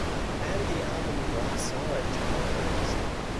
Add the album Rock Solid to my playlist